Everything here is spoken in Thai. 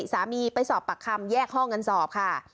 สามีไปสอบปากคำแยกห้องกันสอบค่ะ